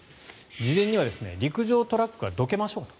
事前には陸上トラックはどけましょうと。